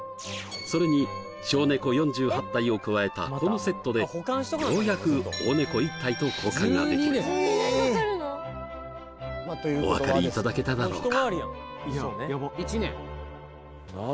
それに小猫４８体を加えたこのセットでようやく大猫１体と交換ができるお分かりいただけただろうか？